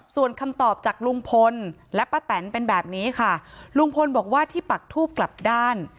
ส่วนคำตอบจากลุงพลและป้าแตนเป็นแบบนี้ค่ะลุงพลบอกว่าที่ปักทูบกลับด้าน